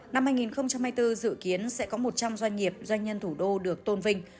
năm hai nghìn hai mươi bốn dự kiến sẽ có một trăm linh doanh nghiệp doanh nhân thủ đô được tôn vinh